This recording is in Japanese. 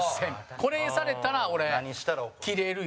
これされたら、俺、キレるよ。